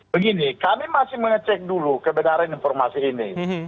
begini kami masih mengecek dulu kebenaran informasi ini